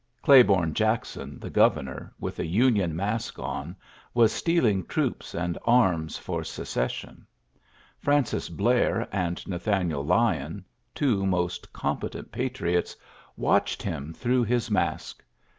Claiborne Jacks^ the governor, with a Union mask ( was stealing troops and arms for Sec sion. Francis Blair and Kathan Lyon, two most competent patrio watched him through his mask.